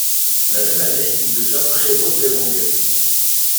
La même année il devient prévôt d'Ellwangen.